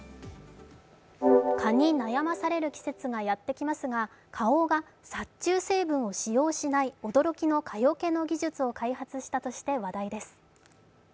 蚊に悩まされる季節がやってきますが、花王が殺虫成分を使用しない、驚きの蚊よけの技術を開発したとして話題です。